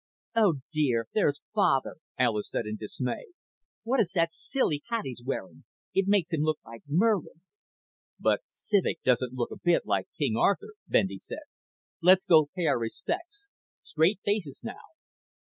"Oh, dear, there's Father," Alis said in dismay. "What is that silly hat he's wearing? It makes him look like Merlin." "But Civek doesn't look a bit like King Arthur," Bendy said. "Let's go pay our respects. Straight faces, now."